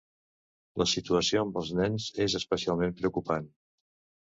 La situació amb els nens és especialment preocupant.